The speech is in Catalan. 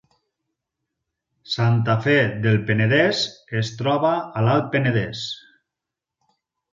Santa Fe del Penedès es troba a l’Alt Penedès